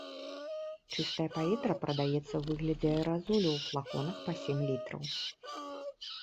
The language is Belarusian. Чыстае паветра прадаецца ў выглядзе аэразолю ў флаконах па сем літраў.